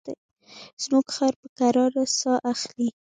زموږ خر په کراره ساه اخلي.